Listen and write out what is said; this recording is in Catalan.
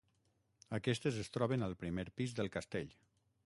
Aquestes es troben al primer pis del castell.